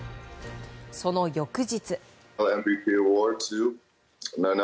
その翌日。